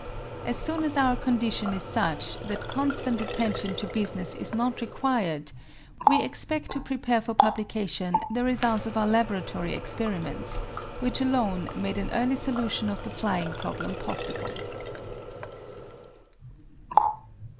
As soon as our condition is such that constant attention to business is not required, we expect to prepare for publication the results of our laboratory experiments, which alone made an early solution of the flying problem possible.